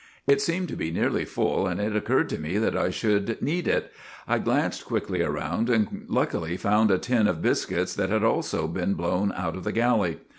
" It seemed to be nearly full, and it occurred to me that I should need it. I glanced quickly around, and luckily found a tin of biscuits that had also been blown out of the galley.